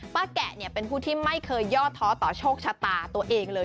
แกะเป็นผู้ที่ไม่เคยย่อท้อต่อโชคชะตาตัวเองเลย